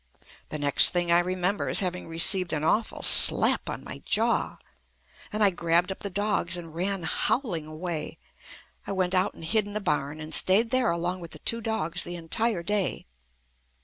The next thing I remember is having received an awful slap on my jaw, and I grabbed up the dogs and ran howling away. I went out and hid in the barn, and stayed there along with the two dogs the entire day.